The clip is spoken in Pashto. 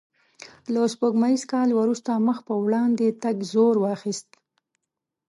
له سپوږمیز کال وروسته مخ په وړاندې تګ زور واخیست.